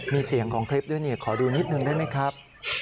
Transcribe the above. มีเสียงของคลิปด้วยนี่ขอดูนิดนึงได้ไหมครับ